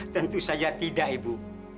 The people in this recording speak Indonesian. tentu saja tidak ibu